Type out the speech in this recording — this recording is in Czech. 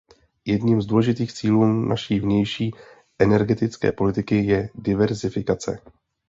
Jedním z důležitých cílů naší vnější energetické politiky je diverzifikace.